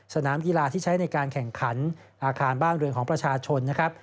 สนามกีฬาที่ใช้ในการแข่งขันอาคารบ้านเรือนของประชาชนนะครับ